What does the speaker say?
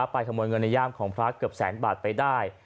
ขโมยเงินในย่ามของพระเกือบแสนบาทไปได้